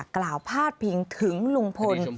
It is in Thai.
กล่าวพาดพิงถึงลุงพล